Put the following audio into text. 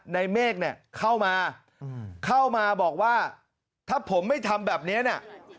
ในเมฆเนี่ยเข้ามาเข้ามาบอกว่าถ้าผมไม่ทำแบบนี้เนี่ย